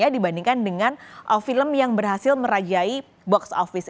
dibandingkan dengan film yang berhasil merajai box office